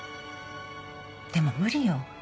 でも無理よ。